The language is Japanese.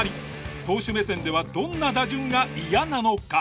投手目線ではどんな打順がイヤなのか？